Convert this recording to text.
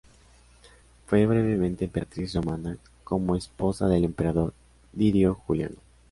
Fue brevemente emperatriz romana como esposa del emperador Didio Juliano.